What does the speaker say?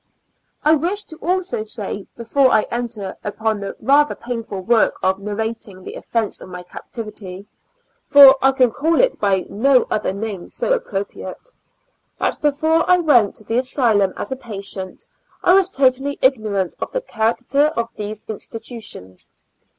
I wish to also say, before I enter upon the rather painful work of narrating the events of my captivity, (for I can call it by no other name so appropriate,) that before I went to the asylum as a patient, I was totally ignorant of the character of these institutions